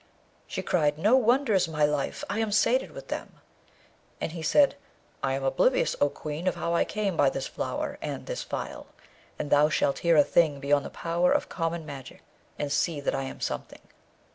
She cried, 'No wonders, my life! I am sated with them.' And he said, 'I am oblivious, O Queen, of how I came by this flower and this phial; but thou shalt hear a thing beyond the power of common magic, and see that I am something.'